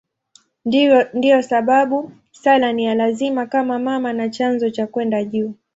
Ndiyo sababu sala ni ya lazima kama mama na chanzo cha kwenda juu.